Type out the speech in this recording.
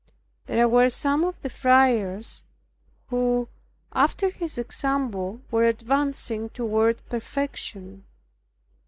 There were some of his friars, who, after his example, were advancing toward perfection.